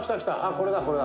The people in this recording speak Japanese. これだこれだ」